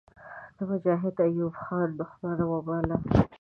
د مجاهد ایوب خان دښمن وباله.